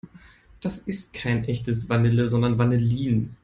Das ist kein echtes Vanille, sondern Vanillin.